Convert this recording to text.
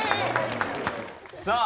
さあ